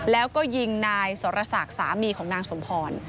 แล้วก็ยิงนายสรศักดิ์สามีของนางสมพร